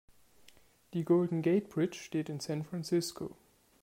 Die Golden Gate Bridge steht in San Francisco.